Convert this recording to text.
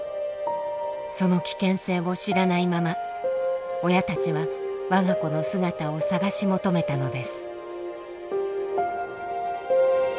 その危険性を知らないまま親たちは我が子の姿を捜し求めたのです。